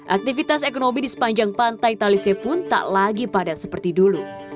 aktivitas ekonomi di sepanjang pantai talise pun tak lagi padat seperti dulu